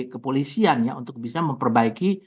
kepolisian ya untuk bisa memperbaiki